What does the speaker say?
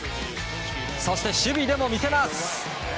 そして、守備でも見せます。